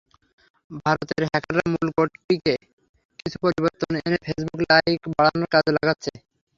ভারতের হ্যাকাররা মূল কোডটিতে কিছু পরিবর্তন এনে ফেসবুক লাইক বাড়ানোর কাজেও লাগাচ্ছে।